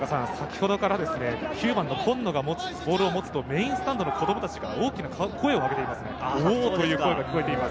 ９番の今野がボールを持つと、メインスタンドの子供たちが大きな声をあげています。